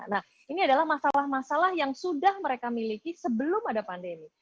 nah ini adalah masalah masalah yang sudah mereka miliki sebelum ada pandemi